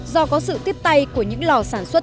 do có sự tiếp tay của những lò sản xuất